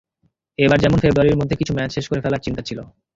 এবার যেমন ফেব্রুয়ারির মধ্যে কিছু ম্যাচ শেষ করে ফেলার চিন্তা ছিল।